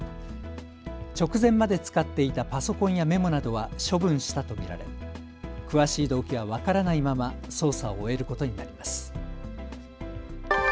直前まで使っていたパソコンやメモなどは処分したと見られ詳しい動機は分からないまま捜査を終えることになります。